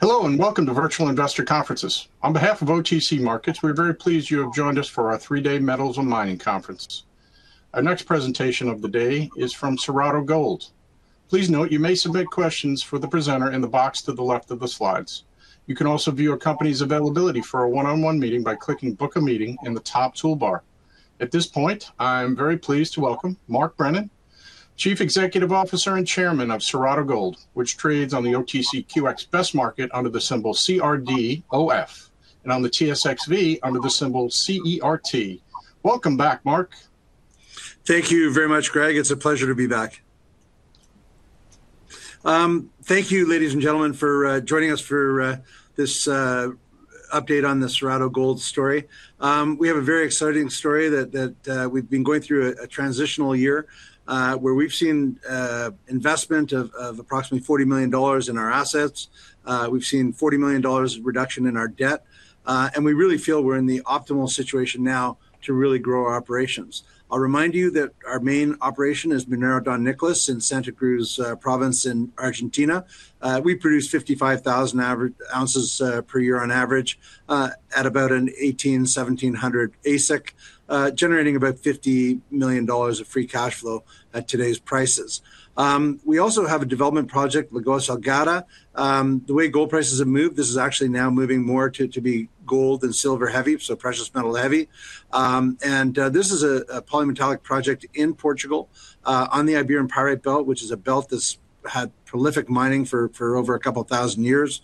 Hello and welcome to Virtual Investor Conferences. On behalf of OTC Markets, we're very pleased you have joined us for our three day Metals and Mining Conference. Our next presentation of the day is from Cerrado Gold. Please note, you may submit questions for the presenter in the box to the left of the slides. You can also view a company's availability for a one on one meeting by clicking Book a Meeting in the top toolbar. At this point, I'm very pleased to welcome Mark Brennan, Chief Executive Officer and Chairman of Cerrado Gold, which trades on the OTCQX Best Market under the symbol CRDOF and on the TSXV under the symbol CERT. Welcome back, Mark. Thank you very much, Greg. It's a pleasure to be back. Thank you ladies and gentlemen for joining us for this update on the Cerrado Gold story. We have a very exciting story that we've been going through a transitional year where we've seen investment of approximately $40 million in our assets. We've seen $40 million reduction in our debt, and we really feel we're in the optimal situation now to really grow our operations. I'll remind you that our main operation is Minera Don Nicolás in Santa Cruz province in Argentina. We produce 55,000 oz per year on average at about a $1,700 AISC, generating about $50 million of free cash flow at today's prices. We also have a development project, Lagoa Salgada. The way gold prices have moved, this is actually now moving more to be gold and silver heavy, so precious metal heavy. This is a polymetallic project in Portugal on the Iberian Pyrite Belt, which is a belt that's had prolific mining for over a couple thousand years.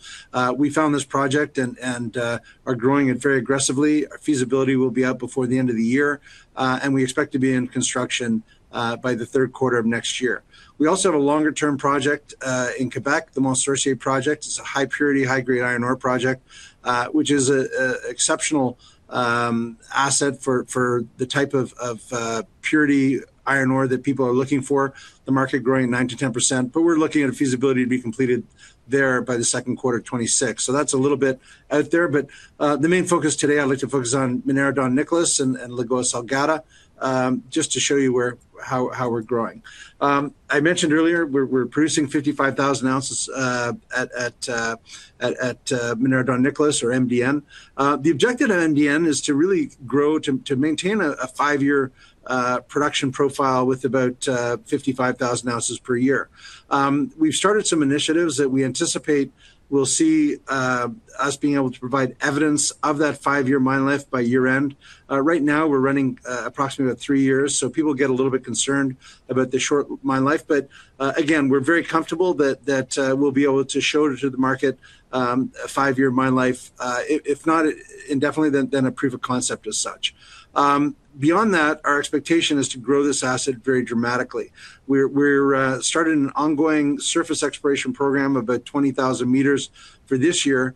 We found this project and are growing it very aggressively. Feasibility will be up before the end of the year, and we expect to be in construction by the third quarter of next year. We also have a longer term project in Quebec, the Mont Sorcier project. It's a high-purity, high-grade iron ore project, which is an exceptional asset for the type of purity iron ore that people are looking for. The market growing 9%-10%, but we're looking at a feasibility to be completed there by the second quarter of 2026. That's a little bit out there. The main focus today I'd like to focus on Minera Don Nicolás and Lagoa Salgada just to show you how we're growing. I mentioned earlier we're producing 55,000 oz at Minera Don Nicolás or MDN. The objective of MDN is to really grow to maintain a five-year production profile with about 55,000 oz per year. We've started some initiatives that we anticipate will see us being able to provide evidence of that five-year mine life by year end. Right now we're running approximately three years, so people get a little bit concerned about the short mine life. We're very comfortable that we'll be able to show to the market a five-year mine life, if not indefinitely, then a proof of concept as such. Beyond that, our expectation is to grow this asset very dramatically. We started an ongoing surface exploration program, about 20,000 m for this year.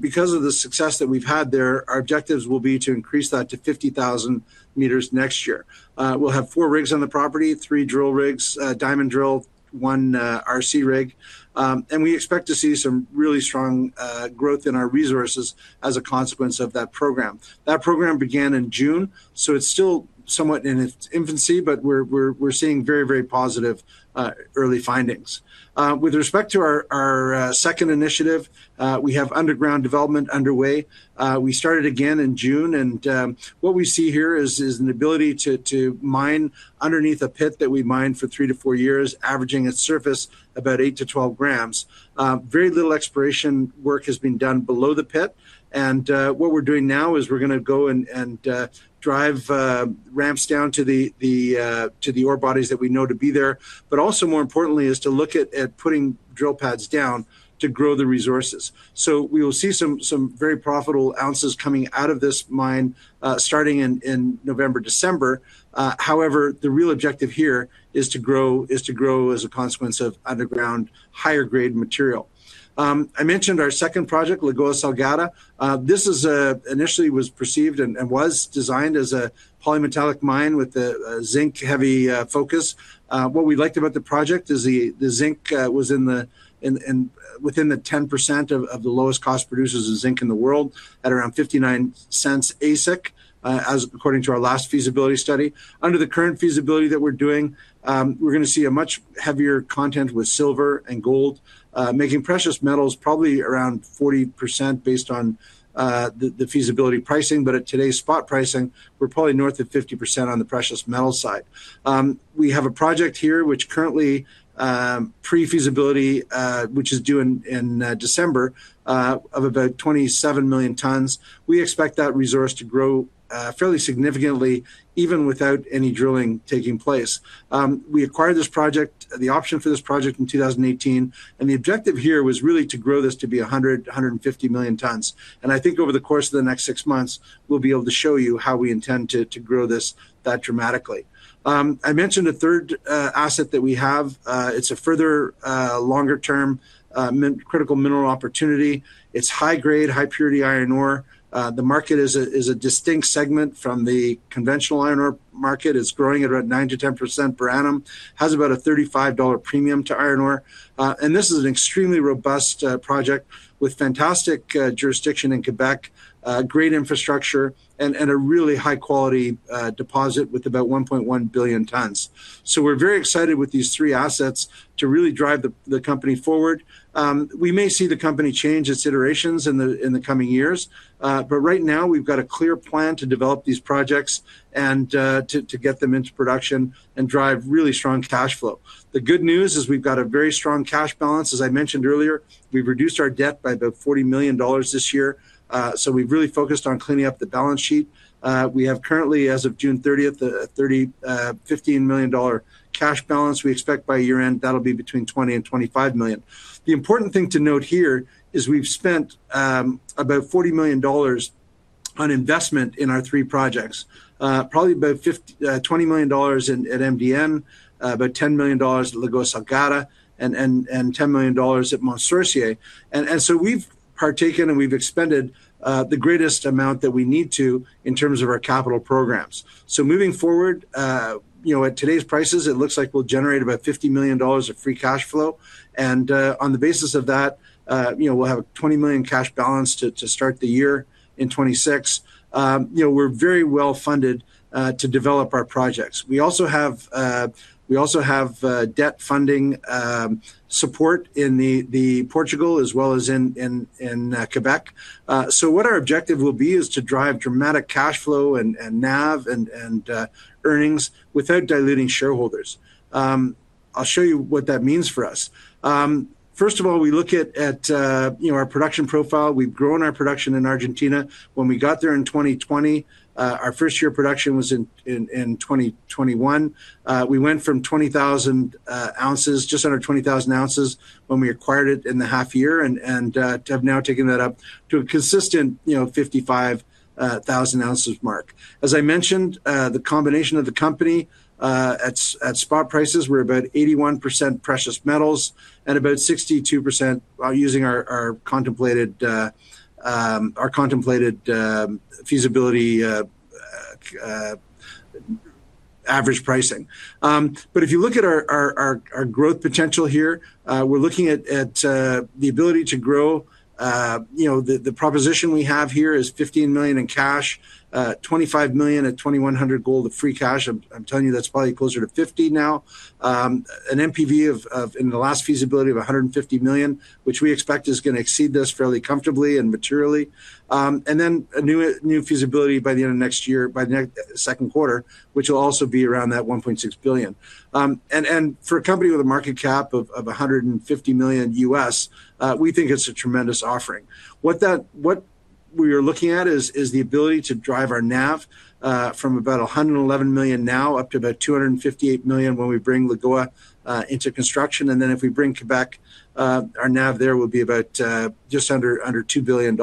Because of the success that we've had there, our objectives will be to increase that to 50,000 m next year. We'll have four rigs on the property, three drill rigs, diamond drill, one RC rig. We expect to see some really strong growth in our resources as a consequence of that program. That program began in June, so it's still somewhat in its infancy. We're seeing very, very positive early findings with respect to our second initiative. We have underground development underway. We started again in June. What we see here is an ability to mine underneath a pit that we mined for three to four years, averaging its surface about 8 g-12 g. Very little exploration work has been done below the pit. What we're doing now is we're going to go and drive ramps down to the ore bodies that we know to be there. Also, more importantly, is to look at putting drill pads down to grow the resources. We will see some very profitable ounces coming out of this mine starting in November, December. However, the real objective here is to grow as a consequence of underground higher grade material. I mentioned our second project, Lagoa Salgada. This initially was perceived and was designed as a polymetallic mine with the zinc heavy focus. What we liked about the project is the zinc was within the 10% of the lowest cost producers of zinc in the world at around $0.59 AISC as according to our last feasibility study. Under the current feasibility that we're doing, we're going to see a much heavier content with silver and gold making precious metals probably around 40% based on the feasibility pricing. At today's spot pricing we're probably north of 50% on the precious metals side. We have a project here which currently pre-feasibility which is due in December of about 27 million tons. We expect that resource to grow fairly significantly, even without any drilling taking place. We acquired this project, the option for this project in 2018. The objective here was really to grow this to be 100 million, 150 million tons. I think over the course of the next six months we'll be able to show you how we intend to grow this that dramatically. I mentioned a third asset that we have. It's a further longer term critical mineral opportunity. It's high grade, high-purity iron ore. The market is a distinct segment from the conventional iron ore market, is growing at about 9%-10% per annum, has about a $35 premium to iron ore. This is an extremely robust project with fantastic jurisdiction in Quebec, great infrastructure, and a really high quality deposit with about 1.1 billion tons. We're very excited with these three assets to really drive the company forward. We may see the company change its iterations in the coming years. Right now we've got a clear plan to develop these projects and to get them into production and drive really strong cash flow. The good news is we've got a very strong cash balance. As I mentioned earlier, we've reduced our debt by about $40 million this year. We've really focused on cleaning up the balance sheet. Currently, as of June 30th, $15 million cash balance. We expect by year end that'll be between $20 million and $25 million. The important thing to note here is we've spent about $40 million on investment in our three projects. Probably about $20 million at MDN, about $10 million at Lagoa Salgada, and $10 million at Mont Sorcier. We've partaken and we've expended the greatest amount that we need to in terms of our capital programs. Moving forward, at today's prices, it looks like we'll generate about $50 million of free cash flow. On the basis of that, we'll have a $20 million cash balance to start the year in 2026. We're very well funded to develop our projects. We also have debt funding support in Portugal as well as in Quebec. What our objective will be is to drive dramatic cash flow and NAV and earnings without diluting shareholders. I'll show you what that means for us. First of all, we look at our production profile. We've grown our production in Argentina. When we got there in 2020, our first year of production was in 2021. We went from 20,000 oz, just under 20,000 oz when we acquired it in the half year, and have now taken that up to a consistent 55,000 oz mark. As I mentioned, the combination of the company at spot prices, we're about 81% precious metals and about 62% using our contemplated feasibility average pricing. If you look at our growth potential here, we're looking at the ability to grow. The proposition we have here is $15 million in cash, $25 million at $2,100 gold of free cash. I'm telling you, that's probably closer to $50 million now, an NPV in the last feasibility of $150 million, which we expect is going to exceed this fairly comfortably and materially. A new feasibility by the end of next year, by the second quarter, will also be around that $1.6 billion. For a company with a market cap of $150 million, we think it's a tremendous offering. What we are looking at is the ability to drive our NAV from about $111 million now up to about $258 million when we bring Lagoa into construction. If we bring Quebec, our NAV there will be just under $2 billion.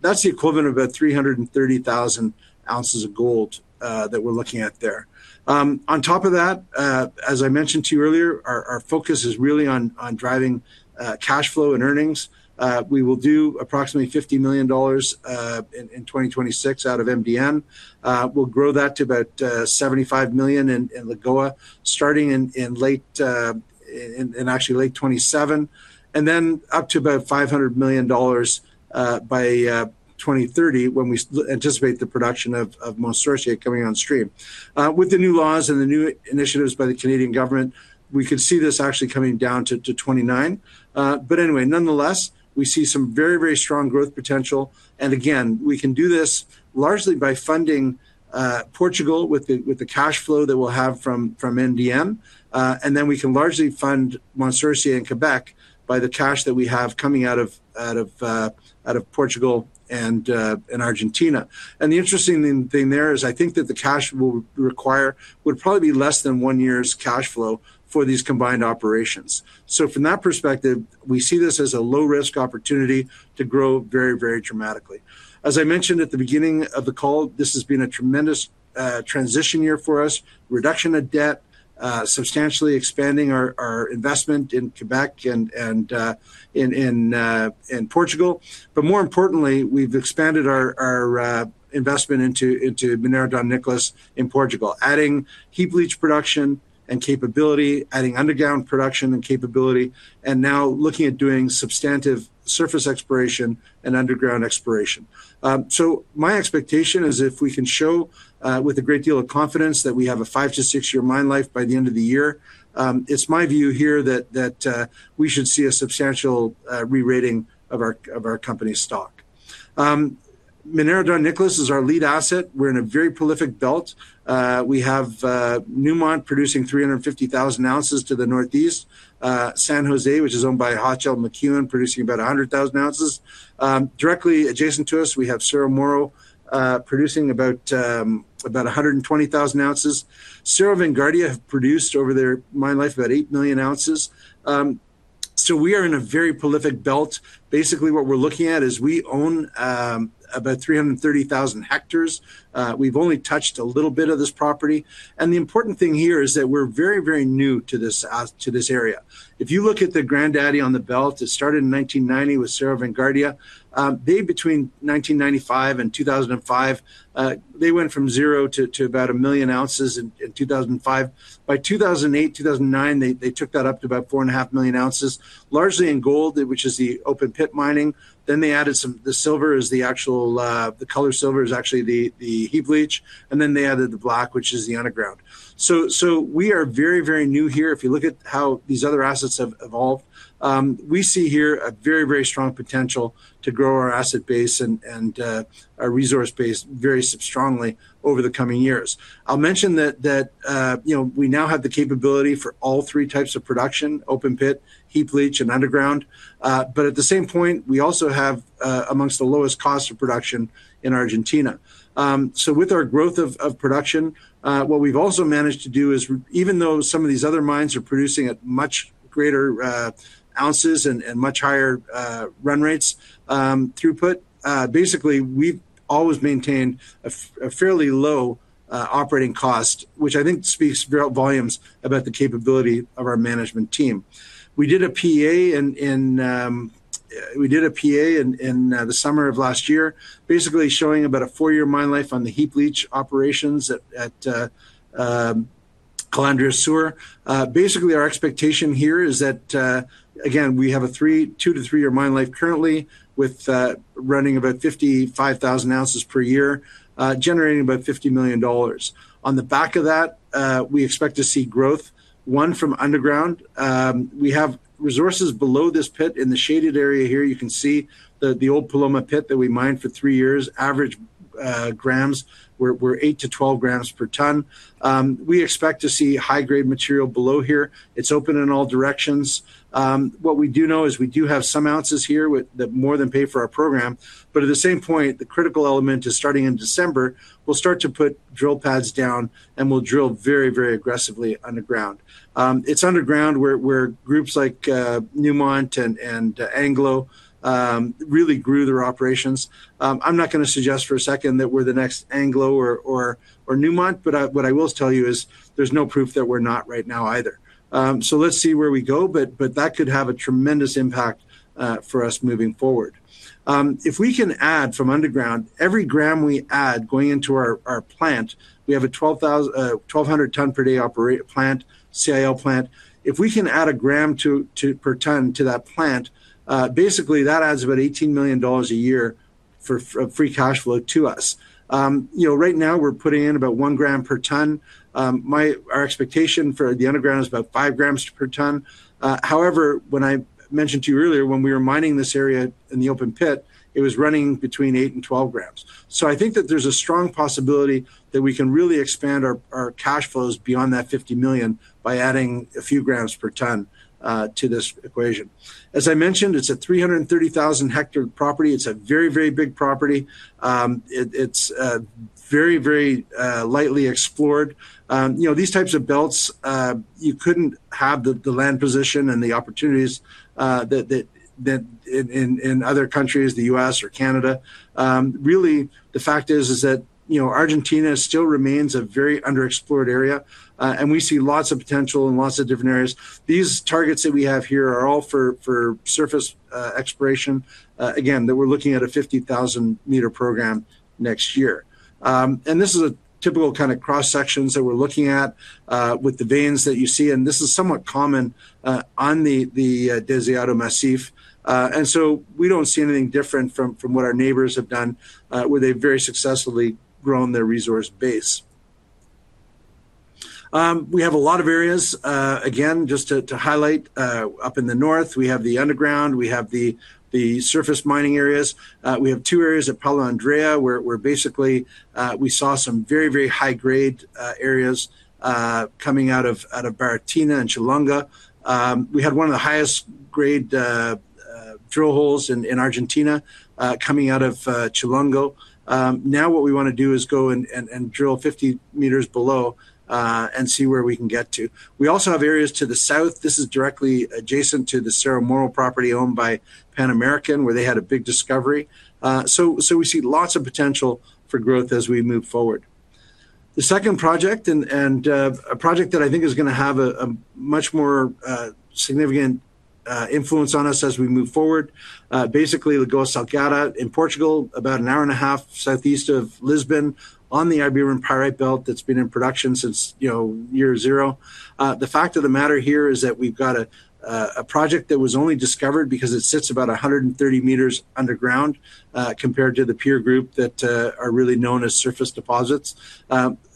That's the equivalent of about 330,000 oz of gold that we're looking at there. On top of that, as I mentioned to you earlier, our focus is really on driving cash flow and earnings. We will do approximately $50 million in 2026 out of MDN. We'll grow that to about $75 million in Lagoa starting in late, actually late 2027, and then up to about $500 million by 2030 when we anticipate the production of Mont Sorcier coming on stream. With the new laws and the new initiatives by the Canadian government, we could see this actually coming down to 2029. Nonetheless, we see some very, very strong growth potential. We can do this largely by funding Portugal with the cash flow that we'll have from MDN. We can largely fund Mont Sorcier in Quebec by the cash that we have coming out of Portugal and Argentina. The interesting thing there is, I think that the cash required would probably be less than one year's cash flow for these combined operations. From that perspective, we see this as a low-risk opportunity to grow very, very dramatically. As I mentioned at the beginning of the call, this has been a tremendous transition year for us. Reduction of debt, substantially expanding our investment in Quebec and Portugal. More importantly, we've expanded our investment into Minera Don Nicolás in Portugal, adding heap leach production and capability, adding underground production and capability, and now looking at doing substantive surface exploration and underground exploration. My expectation is if we can show with a great deal of confidence that we have a five to six year mine life by the end of the year, it's my view here that we should see a substantial rerating of our company's stock. Minera Don Nicolás is our lead asset. We're in a very prolific belt. We have Newmont producing 350,000 oz to the northeast, San José, which is owned by Hochschild Mining, producing about 100,000 oz. Directly adjacent to us we have Cerro Moro producing about 120,000 oz. Cerro Vanguardia have produced over their mine life about 8 million oz. We are in a very prolific belt. Basically what we're looking at is we own about 330,000 hectares. We've only touched a little bit of this property. The important thing here is that we're very, very new to this area. If you look at the granddaddy on the belt, it started in 1990 with Cerro Vanguardia. Between 1995 and 2005, they went from zero to about a million ounces in 2005. By 2008, 2009, they took that up to about 4.5 million oz, largely in gold, which is the open pit mining. They added some. The silver is the actual, the color silver is actually the heavily. They added the black, which is the underground. We are very, very new here. If you look at how these other assets have evolved, we see here a very, very strong potential to grow our asset base and our resource base very strongly over the coming years. I'll mention that we now have the capability for all three types of production: open pit, heap leach, and underground. At the same point, we also have amongst the lowest cost of production in Argentina. With our growth of production, what we've also managed to do is even though some of these other mines are producing at much greater ounces and much higher run rates, throughput, we've always maintained a fairly low operating cost, which I think speaks volumes about the capability of our management team. We did a PEA in the summer of last year, basically showing about a four year mine life on the heap leach operations at Calandrias [Sewer]. Our expectation here is that again we have a two to three year mine life currently with running about 55,000 oz per year, generating about $50 million. On the back of that, we expect to see growth, one from underground. We have resources below this pit in the shaded area. Here you can see the old Paloma pit that we mined for three years. Average grams were 8 g-12 g per ton. We expect to see high grade material below here. It's open in all directions. What we do know is we do have some ounces here that more than pay for our program. At the same point, the critical element is starting in December we'll start to put drill pads down and will drill very, very aggressively underground. It's underground where groups like Newmont and Anglo really grew their operations. I'm not going to suggest for a second that we're the next Anglo or Newmont. What I will tell you is there's no proof that we're not right now either. Let's see where we go. That could have a tremendous impact for us moving forward. If we can add from underground, every gram we add going into our plant, we have a 1,200 ton per day plant, CIL plant. If we can add a gram per ton to that plant, basically that adds about $18 million a year for free cash flow to us. Right now we're putting in about one gram per ton. My expectation for the underground is about 5 g per ton. However, when I mentioned to you earlier, when we were mining this area in the open pit, it was running between 8 g and 12 g. I think that there's a strong possibility that we can really expand our cash flows beyond that $50 million by adding a few grams per ton to this equation. As I mentioned, it's a 330,000 hectare property. It's a very, very big property. It's very, very lightly explored. These types of belts, you couldn't have the land position and the opportunities in other countries, the U.S. or Canada. The fact is that Argentina still remains a very underexplored area. We see lots of potential in lots of different areas. These targets that we have here are all for surface exploration. Again, we're looking at a 50,000 m program next year. This is a typical kind of cross section that we're looking at with the veins that you see. This is somewhat common on the Deseado Massif. We don't see anything different from what our neighbors have done where they've very successfully grown their resource base. We have a lot of areas, again just to highlight, up in the north we have the underground, we have the surface mining areas. We have two areas at Paula Andrea where we saw some very, very high grade areas coming out of Baritina and [Chilonga]. We had one of the highest grade drill holes in Argentina coming out of [Chilonga]. Now what we want to do is go and drill 50 m below and see where we can get to. We also have areas to the south. This is directly adjacent to the Cerro Moro property owned by Pan American where they had a big discovery. We see lots of potential for growth as we move forward. The second project, and a project that I think is going to have a much more significant influence on us as we move forward. Basically, Lagoa Salgada in Portugal, about an hour and a half southeast of Lisbon on the Iberian Pyrite Belt, that's been in production since, you know, year zero. The fact of the matter here is that we've got a project that was only discovered because it sits about 130 m underground compared to the peer group that are really known as surface deposits.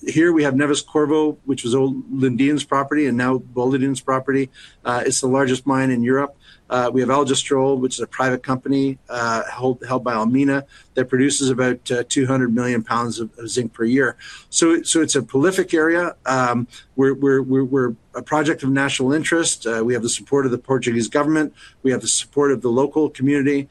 Here we have Neves-Corvo, which was Lundin's property and now Boliden's property. It's the largest mine in Europe. We have Aljustrel, which is a private company held by Almina that produces about 200 million lbs of zinc per year. It's a prolific area. We're a project of national interest. We have the support of the Portuguese government, we have the support of the local community,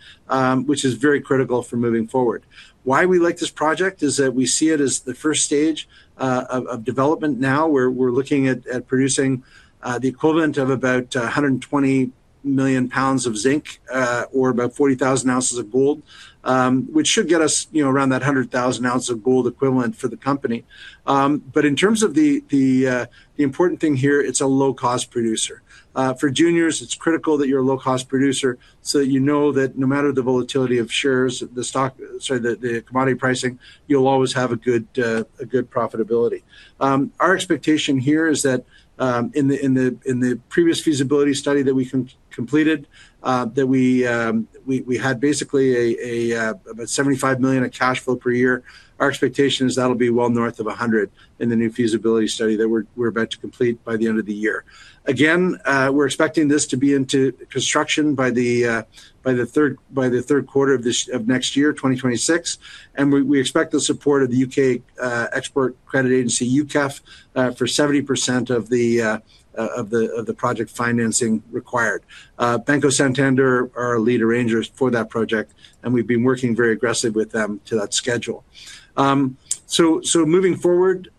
which is very critical for moving forward. Why we like this project is that we see it as the first stage of development now where we're looking at producing the equivalent of about 120 million lbs of zinc or about 40,000 oz of gold, which should get us around that 100,000 oz of gold equivalent for the company. In terms of the important thing here, it's a low cost producer for juniors. It's critical that you're a low cost producer so you know that no matter the volatility of shares, the stock, sorry, the commodity pricing, you'll always have a good, a good profitability. Our expectation here is that in the previous feasibility study that we completed, we had basically about $75 million of cash flow per year. Our expectation is that'll be well north of $100 million. In the new feasibility study that we're about to complete by the end of the year, we're expecting this to be into construction by the third quarter of next year, 2026. We expect the support of the UK Export Credit Agency UKEF for 70% of the project financing required. Banco Santander are our lead arrangers for that project, and we've been working very aggressively with them to that schedule. Moving forward,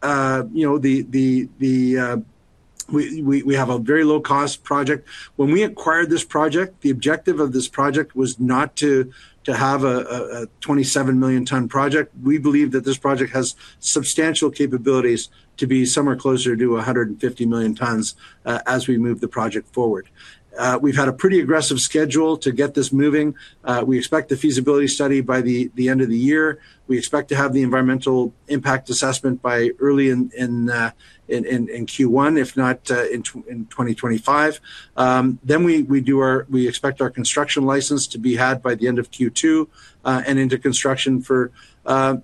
we have a very low cost project. When we acquired this project, the objective of this project was not to have a 27 million ton project. We believe that this project has substantial capabilities to be somewhere closer to 150 million tons as we move the project forward. We've had a pretty aggressive schedule to get this moving. We expect the feasibility study by the end of the year. We expect to have the environmental impact assessment by early in Q1, if not in 2025, then we do our. We expect our construction license to be had by the end of Q2 and into construction for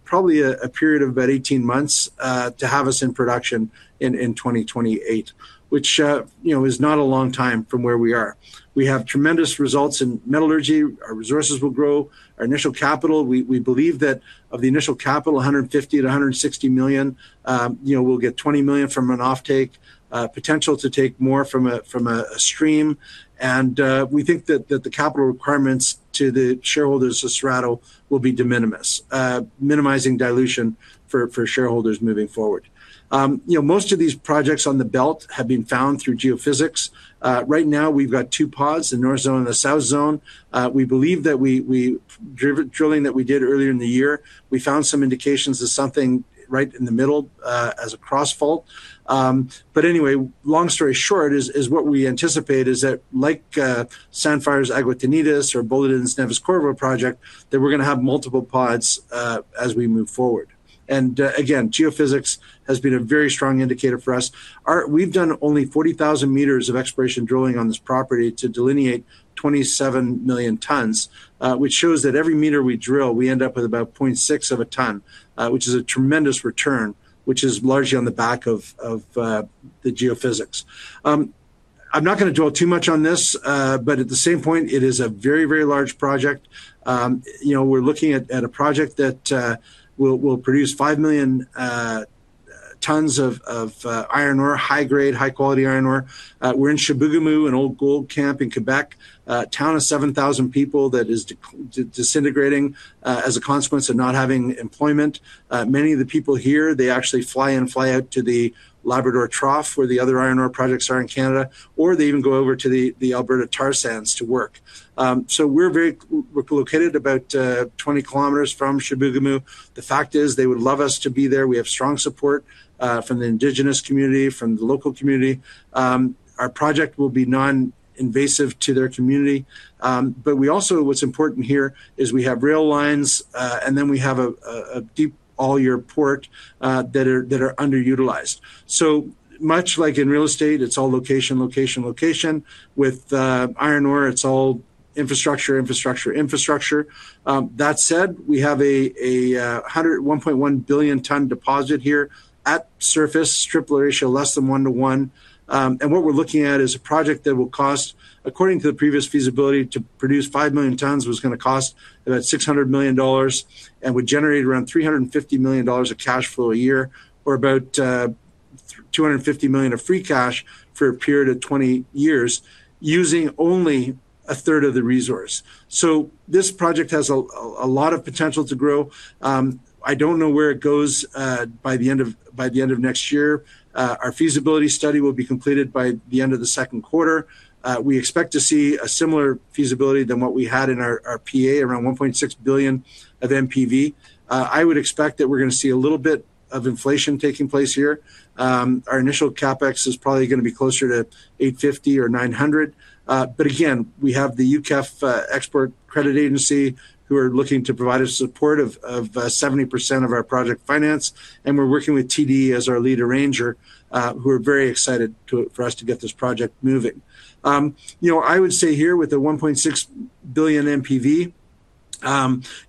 probably a period of about 18 months to have us in production in 2028, which, you know, is not a long time from where we are. We have tremendous results in metallurgy. Our resources will grow. Our initial capital, we believe that of the initial capital $150 million-$160 million, we'll get $20 million from an offtake potential to take more from a stream. We think that the capital requirements to the shareholders of Cerrado will be de minimis, minimizing dilution for shareholders moving forward. Most of these projects on the belt have been found through geophysics. Right now we've got two pods, the north zone and the south zone. We believe that drilling that we did earlier in the year, we found some indications of something right in the middle as a cross fault. Long story short is what we anticipate is that like Sandfire's Aguas Teñidas or Boliden's Neves-Corvo project, we're going to have multiple pods as we move forward. Geophysics has been a very strong indicator for us. We've done only 40,000 m of exploration drilling on this property to delineate 27 million tons, which shows that every meter we drill we end up with about 0.6 of a ton, which is a tremendous return, which is largely on the back of the geophysics. I'm not going to dwell too much on this, but at the same point, it is a very, very large project. We're looking at a project that will produce 5 million tons of iron ore. High grade, high quality iron ore. We're in Chibougamau, an old gold camp in Quebec, town of 7,000 people that is disintegrating as a consequence of not having employment. Many of the people here, they actually fly in and fly out to the Labrador Trough where the other iron ore projects are in Canada, or they even go over to the Alberta tar sands to work. We're located about 20 km from Chibougamau. The fact is they would love us to be there. We have strong support from the indigenous community, from the local community. Our project will be non-invasive to their community. What's important here is we have rail lines and then we have a deep all-year port that are underutilized. Much like in real estate, it's all location, location, location. With iron ore, it's all infrastructure, infrastructure, infrastructure. That said, we have a 1.1 billion ton deposit here at surface, strip ratio less than one to one. What we're looking at is a project that will cost, according to the previous feasibility, to produce 5 million tons was going to cost about $600 million and would generate around $350 million of cash flow a year or about $250 million of free cash for a period of 20 years using only a third of the resource. This project has a lot of potential to grow. I don't know where it goes. By the end of next year our feasibility study will be completed. By the end of the second quarter we expect to see a similar feasibility than what we had in our PA, around $1.6 billion of NPV. I would expect that we're going to see a little bit of inflation taking place here. Our initial CapEx is probably going to be closer to $850 million or $900 million. We have the UK Export Credit Agency who are looking to provide us support of 70% of our project finance. We're working with TD as our lead arranger who are very excited for us to get this project moving. I would say here with a $1.6 billion NPV,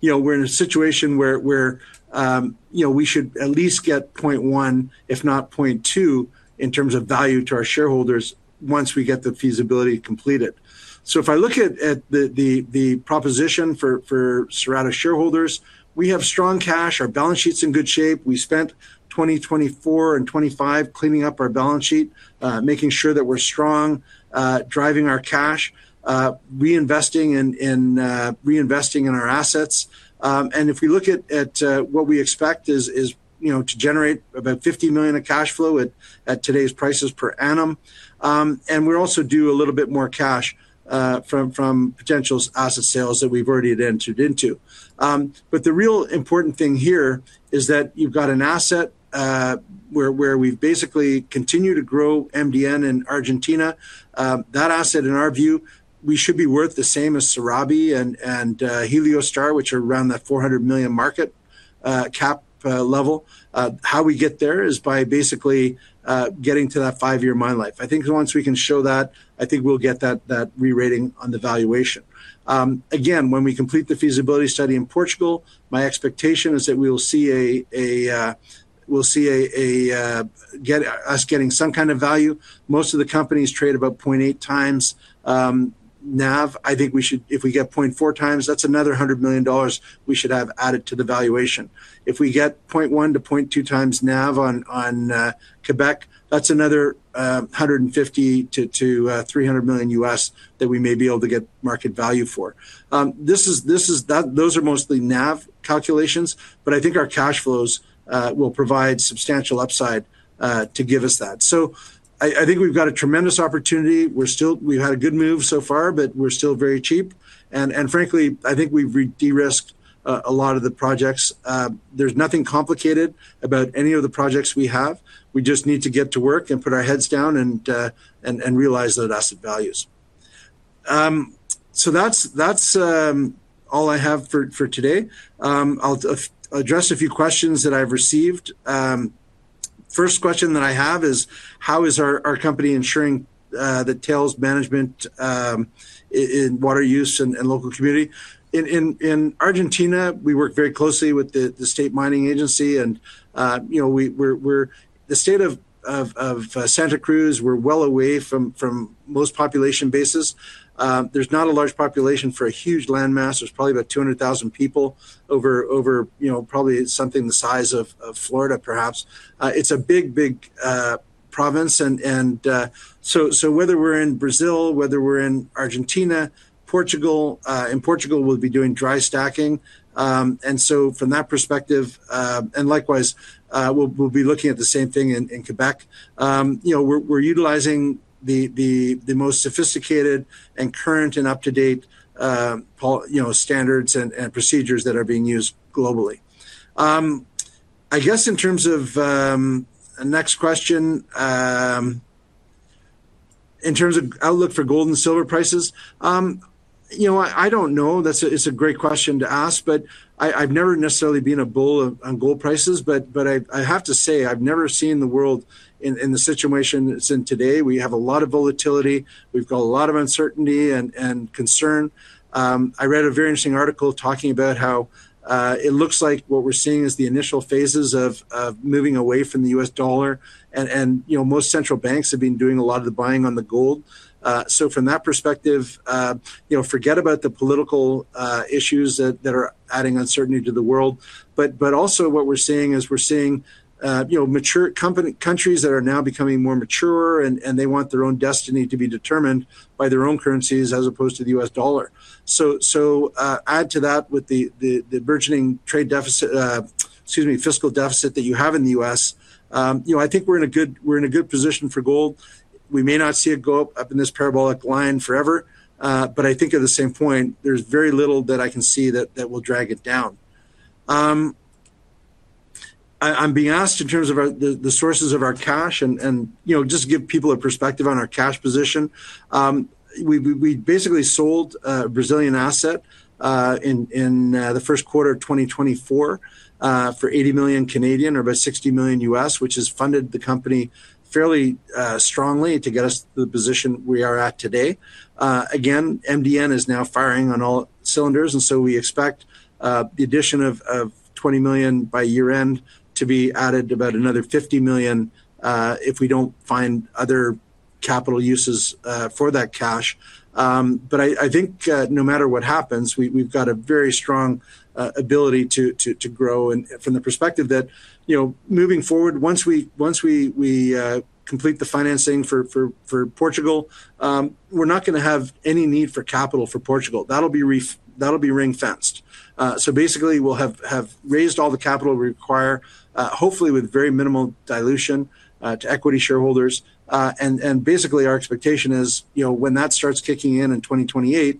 we're in a situation where we should at least get 0.1 if not 0.2 in terms of value to our shareholders once we get the feasibility completed. If I look at the proposition for Cerrado shareholders, we have strong cash, our balance sheet's in good shape. We spent 2024 and 2025 cleaning up our balance sheet, making sure that we're strong, driving our cash, reinvesting in our assets. If we look at what we expect is to generate about $50 million of cash flow at today's prices per annum. We also do a little bit more cash from potential asset sales that we've already entered into. The real important thing here is that you've got an asset where we've basically continued to grow MDN in Argentina, that asset, in our view, should be worth the same as Serabi and Heliostar which are around that $400 million market cap level. How we get there is by basically getting to that five year mine life. I think once we can show that, I think we'll get that re-rating on the valuation again. When we complete the feasibility study in Portugal, my expectation is that we will see us getting some kind of value. Most of the companies trade about 0.8x NAV. I think we should, if we get 0.4x, that's another $100 million we should have added to the valuation. If we get 0.1x-0.2x NAV on Quebec, that's another $150 million-$300 million that we may be able to get market value for. Those are mostly NAV calculations, but I think our cash flows will provide substantial upside to give us that. I think we've got a tremendous opportunity. We've had a good move so far, but we're still very cheap, and frankly, I think we've de-risked a lot of the projects. There's nothing complicated about any of the projects we have. We just need to get to work and put our heads down and realize that asset values. That's all I have for today. I'll address a few questions that I've received. First question that I have is how is our company ensuring that tails management in water use and local community? In Argentina, we work very closely with the state mining agency, and we're the state of Santa Cruz. We're well away from most population bases. There's not a large population for a huge landmass. There's probably about 200,000 people over probably something the size of Florida. Perhaps it's a big, big province. Whether we're in Brazil, whether we're in Argentina, Portugal, in Portugal we'll be doing dry stacking, and from that perspective, likewise, we'll be looking at the same thing in Quebec. We're utilizing the most sophisticated and current and up-to-date standards and procedures that are being used globally. Next question, in terms of outlook for gold and silver prices, I don't know. It's a great question to ask, but I've never necessarily been a bull on gold prices, but I have to say I've never seen the world in the situation it's in today. We have a lot of volatility, we've got a lot of uncertainty and concern. I read a very interesting article talking about how it looks like what we're seeing is the initial phases of moving away from the U.S. dollar, and most central banks have been doing a lot of the buying on the gold. From that perspective, forget about the political issues that are adding uncertainty to the world, but also what we're seeing is we're seeing mature countries that are now becoming more mature, and they want their own destiny to be determined by their own currencies as opposed to the U.S. dollar. Add to that with the burgeoning trade deficit, excuse me, fiscal deficit that you have in the U.S., I think we're in a good position for gold. We may not see it go up in this parabolic line forever, but I think at the same point there's very little that I can see that will drag it down. I'm being asked in terms of the sources of our cash and, you know, just give people a perspective on our cash position. We basically sold Brazilian asset in the first quarter 2024 for 80 million or about $60 million, which has funded the company fairly strongly to get us to the position we are at today. Again, MDN is now firing on all cylinders and we expect the addition of $20 million by year end to be added, about another $50 million if we don't find other capital uses for that cash. I think no matter what happens, we've got a very strong ability to grow from the perspective that, you know, moving forward, once we complete the financing for Portugal, we're not going to have any need for capital for Portugal, that'll be ring fenced. Basically, we'll have raised all the capital we require, hopefully with very minimal dilution to equity shareholders. Our expectation is when that starts kicking in in 2028,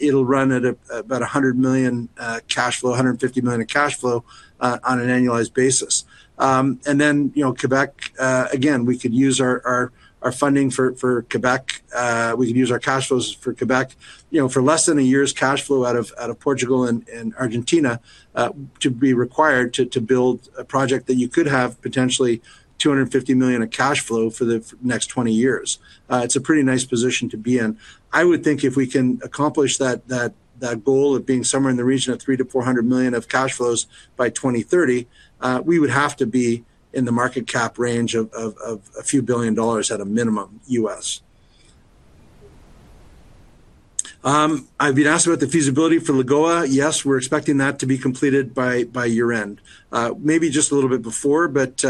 it'll run at about $100 million cash flow, $150 million of cash flow on an annualized basis. You know, Quebec again, we could use our funding for Quebec. We can use our cash flows for Quebec, you know, for less than a year's cash flow out of Portugal and Argentina to be required to build a project that you could have potentially $250 million of cash flow for the next 20 years. It's a pretty nice position to be in, I would think if we can accomplish that goal of being somewhere in the region of $300 million-$400 million of cash flows by 2030, we would have to be in the market cap range of a few billion dollars at a minimum U.S. I've been asked about the feasibility for Lagoa Salgada. Yes, we're expecting that to be completed by year end, maybe just a little bit before, but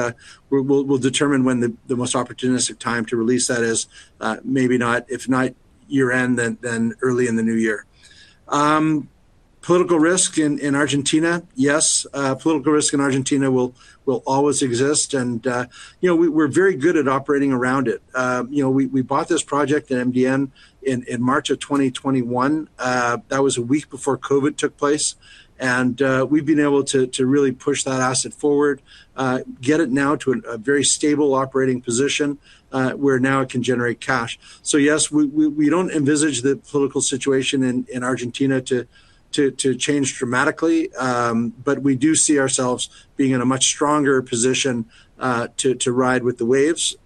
we'll determine when the most opportunistic time to release that is. Maybe not. If not year end, then early in the new year. Political risk in Argentina. Yes, political risk in Argentina will always exist. We're very good at operating around it. We bought this project at MDN in March of 2021. That was a week before COVID took place. We've been able to really push that asset forward, get it now to a very stable operating position where now it can generate cash. Yes, we don't envisage the political situation in Argentina to change dramatically, but we do see ourselves being in a much stronger position to ride with the waves.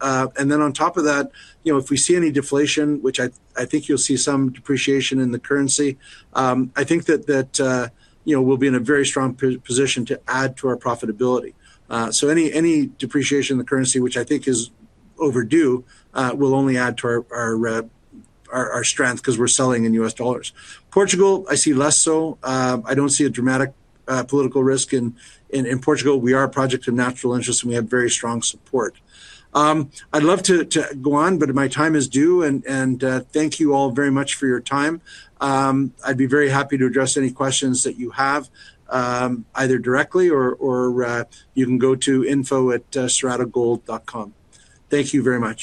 If we see any deflation, which I think you'll see some depreciation in the currency, I think that we'll be in a very strong position to add to our profitability. Any depreciation in the currency, which I think is overdue, will only add to our strength because we're selling in U.S. dollars. Portugal, I see less. I don't see a dramatic political risk in Portugal. We are a project of natural interest and we have very strong support. I'd love to go on, but my time is due. Thank you all very much for your time. I'd be very happy to address any questions that you have, either directly or you can go to info@cerradogold.com. Thank you very much.